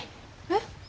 えっ？